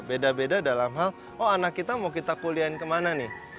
beda beda dalam hal oh anak kita mau kita kuliahin kemana nih